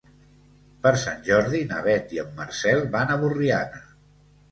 Per Sant Jordi na Beth i en Marcel van a Borriana.